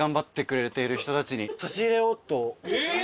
えっ！？